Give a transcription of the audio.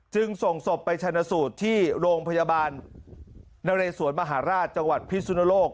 จึงส่งศพไปชนะสูตรที่โรงพยาบาลนเรสวนมหาราชจังหวัดพิสุนโลก